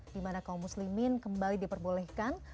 dimana kaum muslimin kembali diperbolehkan